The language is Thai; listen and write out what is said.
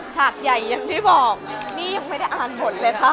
ฉากใหญ่ยังไม่บอกฟินฟินยังไม่ได้อ่านบทเลยค่ะ